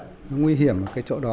nó nguy hiểm ở cái chỗ đó